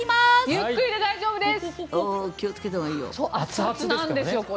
ゆっくりで大丈夫です。